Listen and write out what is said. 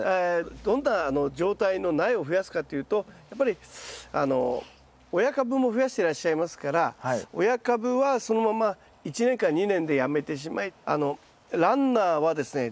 どんな状態の苗を増やすかというとやっぱり親株も増やしてらっしゃいますから親株はそのまま１年か２年でやめてしまいランナーはですね